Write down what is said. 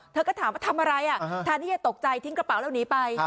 เธอก็ถามว่าทำอะไรแทนที่จะตกใจทิ้งกระเป๋าแล้วหนีไป